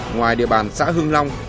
ngoài địa bàn xã hưng long